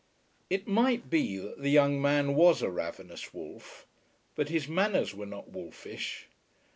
It might be that the young man was a ravenous wolf, but his manners were not wolfish.